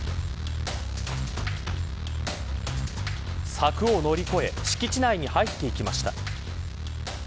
柵を乗り越え敷地内に入っていきました。